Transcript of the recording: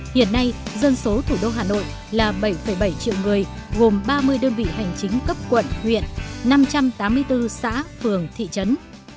hiện nay dân số thủ đô hà nội là bảy bảy triệu người gồm ba mươi đơn vị hành chính cấp quận huyện năm trăm tám mươi bốn xã phường thị trấn